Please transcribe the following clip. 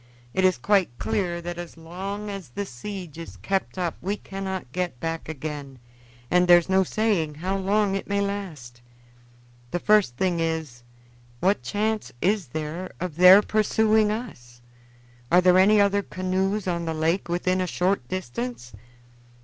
"It is quite clear that as long as the siege is kept up we cannot get back again, and there is no saying how long it may last. The first thing is, what chance is there of their pursuing us? Are there any other canoes on the lake within a short distance?"